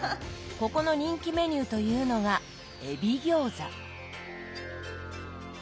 ここの人気メニューというのがエビ餃子。